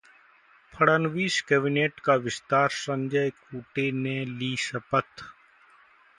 Fadnavis cabinet का विस्तार, संजय कुटे ने ली शपथ